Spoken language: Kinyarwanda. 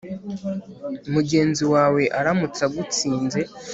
mugenzi wawe aramutse agutsinze